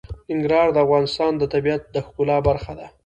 ننګرهار د افغانستان د طبیعت د ښکلا برخه ده.